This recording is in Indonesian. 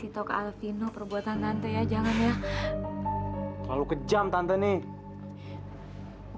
terlalu kejam tante nih